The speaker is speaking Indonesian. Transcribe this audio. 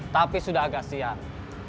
tapi sudah agak siang